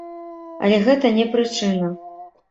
Але гэта не прычына.